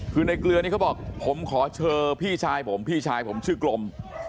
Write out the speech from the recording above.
คือในเกลือนี่เขาบอกผมขอเชิญพี่ชายผมพี่ชายผมชื่อกลม